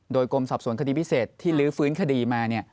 โดยกรมสอบสวนคดีพิเศษที่ลื้อฟื้นคดีมา